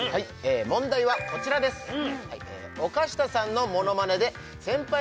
問題はこちらですどれ？